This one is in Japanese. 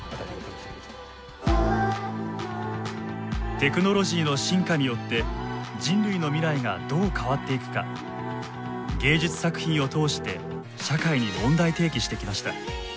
テクノロジーの進化によって人類の未来がどう変わっていくか芸術作品を通して社会に問題提起してきました。